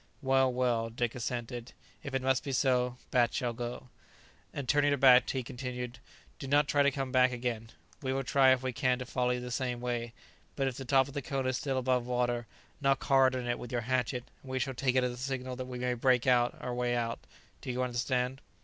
"Well, well," Dick assented, "if it must be so, Bat shall go." And turning to Bat, he continued, "Do not try to come back again; we will try, if we can, to follow you the same way; but if the top of the cone is still above water, knock hard on it with your hatchet, and we shall take it as a signal that we may break our way out. Do you understand?"